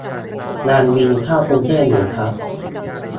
ยังบินเข้ากรุงเทพอยู่ครับ